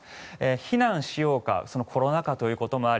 避難しようかコロナ禍ということもあり